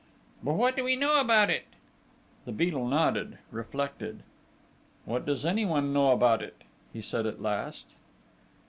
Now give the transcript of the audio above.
"What do we know about it?" The Beadle nodded; reflected. "What does anyone know about it?" he said at last....